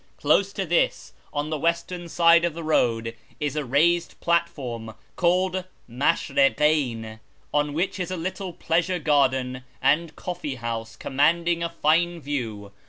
Close to this, on the western side of the road, is a raised platform called Maslirikcyn, on which is a little pleasure garden and coffee house commanding a fine view.